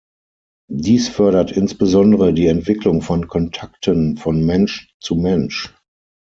Dies fördert inbesondere die Entwicklung von Kontakten von Mensch zu Mensch.